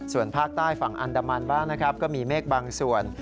ส่วนภาคใต้ฝั่งอันดามันบ้างนะครับก็มีเมฆบางส่วน